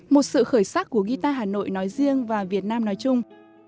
một sự khởi sắc của guitar hà nội nói riêng và việt nam nói chung